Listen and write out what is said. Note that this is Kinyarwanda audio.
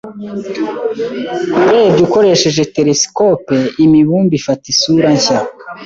Urebye ukoresheje telesikope, imibumbe ifata isura nshya.